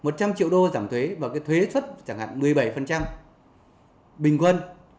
một trăm linh triệu đô giảm thuế và cái thuế xuất chẳng hạn một mươi bảy bình quân